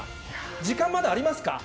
時間まだありますか？